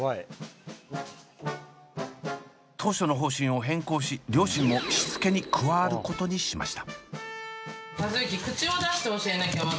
当初の方針を変更し両親もしつけに加わることにしました。